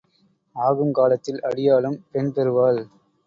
ஆகும் காலத்தில் அடியாளும் பெண் பெறுவாள்.